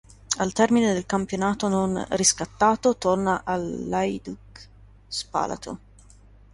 Al termine del campionato non riscattato torna all'Hajduk Spalato.